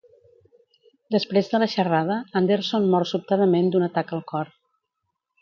Després de la xerrada, Anderson mor sobtadament d'un atac al cor.